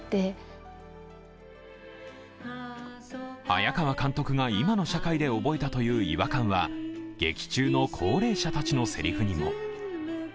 早川監督が今の社会で覚えたという違和感は、劇中の高齢者たちのせりふにも。